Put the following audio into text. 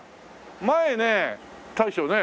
前ね大将ね。